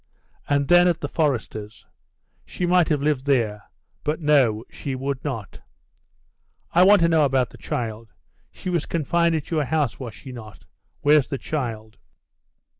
And then at the forester's. She might have lived there; but no, she would not." "I want to know about the child. She was confined at your house, was she not? Where's the child?"